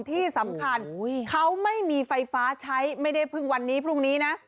ที่สำคัญเขาไม่มีไฟฟ้าใช้ไม่ได้เพิ่งวันนี้พรุ่งนี้นะ